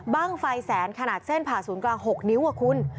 บ้างไฟแสนขนาดเส้นผ่าศูนย์กลาง๖นิ้วคุณ